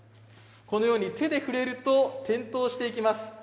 このように手で触れると点灯していきます。